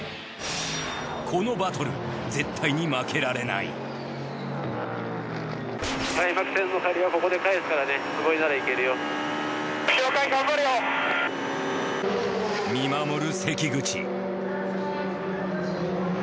このバトル絶対に負けられない見守る